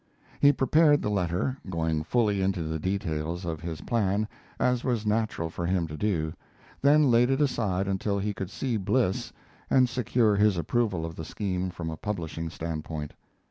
He prepared the letter, going fully into the details of his plan, as was natural for him to do, then laid it aside until he could see Bliss and secure his approval of the scheme from a publishing standpoint.